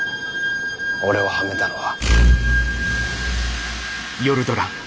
俺をはめたのは。